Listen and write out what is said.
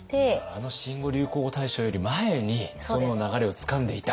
あの新語・流行語大賞より前にその流れをつかんでいた。